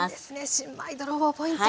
新米泥棒ポイント